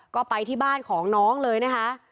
ก็ไปที่บ้านของน้องเลยนะคะ